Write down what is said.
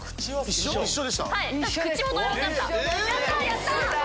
一緒でした？